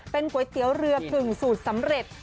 ก๋วยเตี๋ยวเรือผึ่งสูตรสำเร็จ